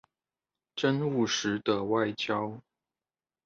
真務實的外交